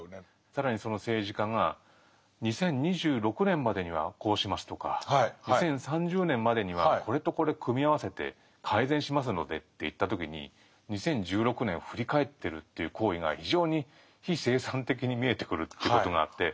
更にその政治家が「２０２６年までにはこうします」とか「２０３０年までにはこれとこれ組み合わせて改善しますので」って言った時に２０１６年を振り返ってるという行為が非常に非生産的に見えてくるということがあって。